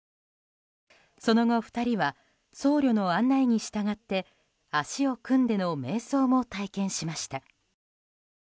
その後、２人は僧侶の案内に従って足を組んでの瞑想も体験しました。